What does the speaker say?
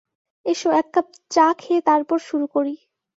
S, এক cup চ খেয়ে তারপর শুরু করি।